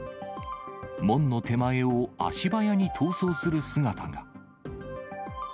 門の手前を足早に逃走する姿が。